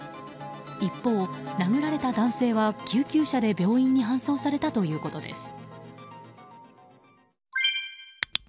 一方、殴られた男性は救急車で病院に搬送されたということです。